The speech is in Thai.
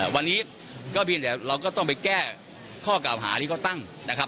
วันนี้เราก็ต้องไปแก้ข้อกล่าวหาที่เขาตั้งนะครับ